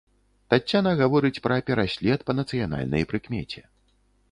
Таццяна гаворыць пра пераслед па нацыянальнай прыкмеце.